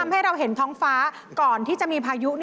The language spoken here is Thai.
ให้เราเห็นท้องฟ้าก่อนที่จะมีพายุ